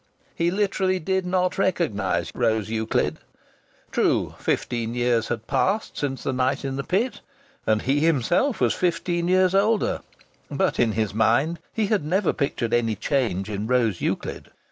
He literally did not recognize Rose Euclid. True, fifteen years had passed since the night in the pit! And he himself was fifteen years older. But in his mind he had never pictured any change in Rose Euclid.